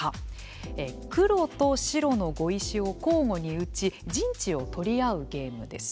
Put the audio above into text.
黒と白の碁石を交互に打ち陣地を取り合うゲームです。